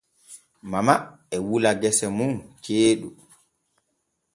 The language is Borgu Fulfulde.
Mama e wula gese mun ceeɗu.